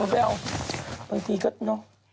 บางทีก็